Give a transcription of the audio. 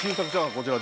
こちら